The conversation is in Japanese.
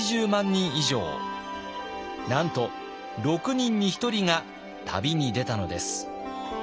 なんと６人に１人が旅に出たのです。